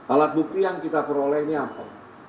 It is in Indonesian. alat bukti yang kita peroleh ini apa